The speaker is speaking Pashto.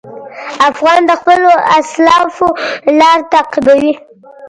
افغان د خپلو اسلافو لار تعقیبوي.